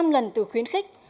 năm lần từ khuyến khích